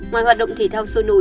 ngoài hoạt động thể thao sôi nổi